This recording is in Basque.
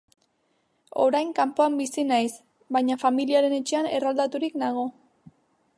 Orain kanpoan bizi naiz, baina familiaren etxean erroldaturik nago.